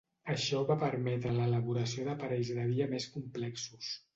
Això va permetre l'elaboració d'aparells de via més complexos.